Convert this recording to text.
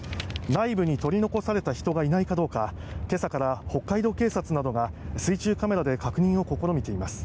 内部に取り残された人がいないかどうか今朝から北海道警察などが水中カメラで確認を試みています。